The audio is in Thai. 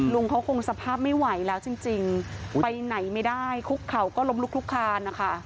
ลุงเขาคงสภาพไม่ไหวแล้วจริงไปไหนไม่ได้คุกเข่าก็ล้มลุกลุกคานนะคะ